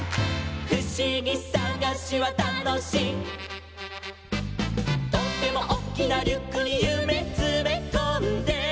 「ふしぎさがしはたのしい」「とってもおっきなリュックにゆめつめこんで」